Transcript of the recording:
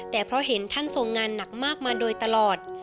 แต่เพราะเห็นท่านทรงงานหนักมากมาโดยตลอด